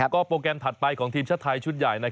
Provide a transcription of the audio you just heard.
ก็โปรแกรมถัดไปของทีมชาติไทยชุดใหญ่